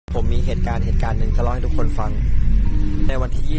ผมมีเหตุการณ์เหตุการณ์หนึ่งจะเล่าให้ทุกคนฟังในวันที่๒๒